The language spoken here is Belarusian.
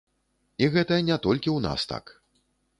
І гэта не толькі ў нас так.